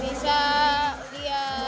bisa berantem sama main bola